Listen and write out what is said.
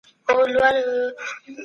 سياستپوهنه د تجربې څخه خالي نظام نه دی.